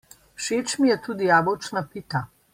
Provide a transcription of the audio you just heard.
Všeč mi je tudi jabolčna pita.